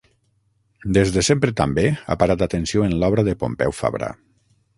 Des de sempre també, ha parat atenció en l'obra de Pompeu Fabra.